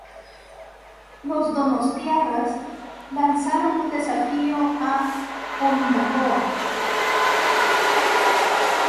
Los donostiarras lanzaron un desafío a Ondarroa.